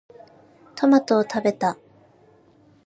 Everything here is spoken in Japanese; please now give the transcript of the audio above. トマトを食べた。